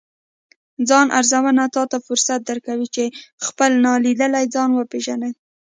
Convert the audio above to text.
ځان ارزونه تاته فرصت درکوي، چې خپل نالیدلی ځان وپیژنې